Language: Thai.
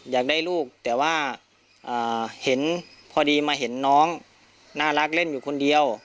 อยากได้ลูกแต่ว่าเห็นพอดีมาเห็นน้องน่ารักเล่นอยู่คนเดียว